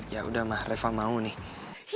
yaudah ma reva mau nih